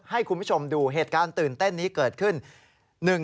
ให้คุณผู้ชมดูเหตุการณ์ตื่นเต้นนี้เกิดขึ้น